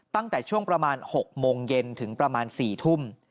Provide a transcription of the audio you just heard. ตั้งแต่ช่วงประมาณ๖โมงเย็นถึงประมาณ๔ทุ่ม